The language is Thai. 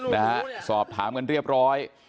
นะฮะสอบถามกันเรียบร้อย